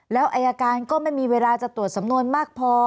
แล้วอายการก็ไม่มีเวลาจะตรวจสำนวนมากพอ